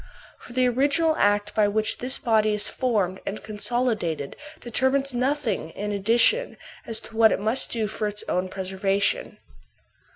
For the original act by which this body is formed and consolidated deter mines nothing in addition as to what it must do for its own preservation.